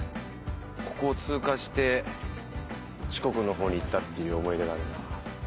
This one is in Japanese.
ここを通過して四国の方に行ったっていう思い出があるな。